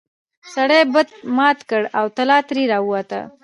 سړي بت مات کړ او طلا ترې راووته.